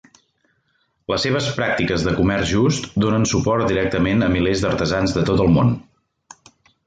Les seves pràctiques de comerç just donen suport directament a milers d'artesans de tot el món.